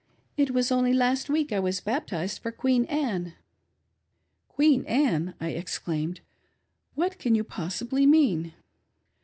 It was only last wee^ I was baptized for Queen Anne." "Queen Anne!" I exclaiiped. "What can you possibly mean